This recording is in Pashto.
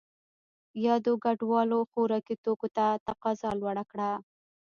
یادو کډوالو خوراکي توکو ته تقاضا لوړه کړه.